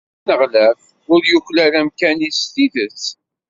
Aneɣlaf ur yuklal amkan-is s tidet.